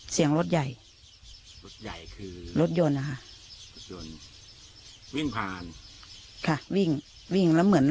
เสียงรถยนต์ของลูกกละก็คือรถยนต์